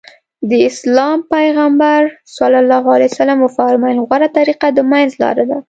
د اسلام پيغمبر ص وفرمايل غوره طريقه د منځ لاره ده.